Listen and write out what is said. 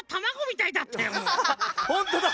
ほんとだ！